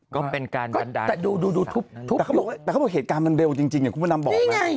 ก็เป็นการดันดาดแต่เขาบอกว่าเหตุการณ์เร็วจริงจริงอย่างคุณพ่อนำบอกไหม